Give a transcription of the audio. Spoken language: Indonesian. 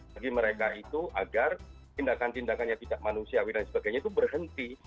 jadi mereka itu agar tindakan tindakannya tidak manusiawi dan sebagainya itu berhenti